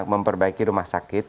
memperbaiki rumah sakit